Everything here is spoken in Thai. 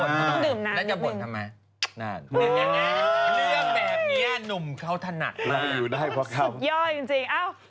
เนื้อแบบนี้นุ่มเขาถนัดสุดยอดจริง